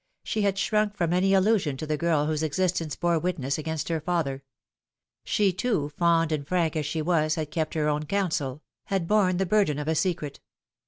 She had shrunk from any allusion to the girl whose existence bore witness against her father. She, too, fond and frank as she was, had kept her own counsel, had borne the burden of a secret.